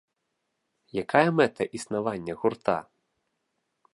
Якая мэта існавання гурта?